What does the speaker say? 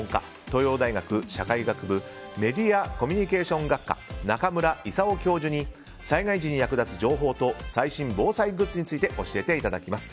東洋大学社会学部メディアコミュニケーション学科中村功教授に災害時に役立つ情報と最新防災グッズについて教えていただきます。